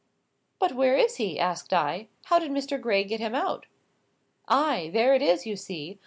'" "But where is he?" asked I. "How did Mr. Gray get him out?" "Ay! there it is, you see.